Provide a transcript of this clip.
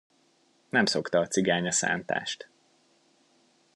Nem szokta a cigány a szántást.